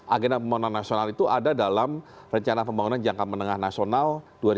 agenda pembangunan nasional itu ada dalam rencana pembangunan jangka menengah nasional dua ribu dua puluh dua ribu dua puluh empat